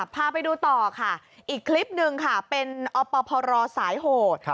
พาไปดูต่อค่ะอีกคลิปหนึ่งค่ะเป็นอปพรสายโหด